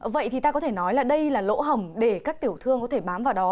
vậy thì ta có thể nói là đây là lỗ hầm để các tiểu thương có thể bám vào đó